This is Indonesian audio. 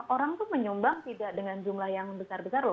orang tuh menyumbang tidak dengan jumlah yang besar besar loh